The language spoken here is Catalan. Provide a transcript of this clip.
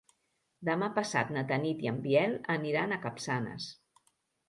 Demà passat na Tanit i en Biel aniran a Capçanes.